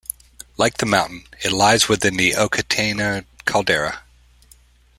Like the mountain, it lies within the Okataina caldera.